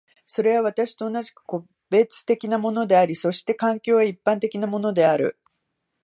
それは私と同じく個別的なものであり、そして環境は一般的なものである。